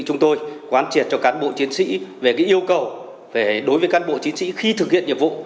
chúng tôi quán triệt cho cán bộ chiến sĩ về yêu cầu đối với cán bộ chiến sĩ khi thực hiện nhiệm vụ